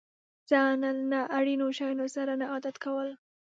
ځان له نا اړينو شيانو سره نه عادت کول.